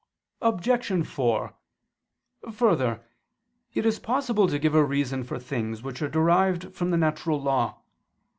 Obj. 4: Further, it is possible to give a reason for things which are derived from the natural law.